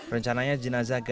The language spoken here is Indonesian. rencananya jenazah gadisnya